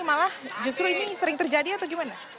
malah justru ini sering terjadi atau gimana